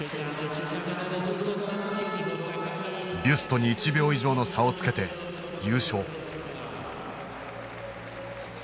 ビュストに１秒以上の差をつけて優勝。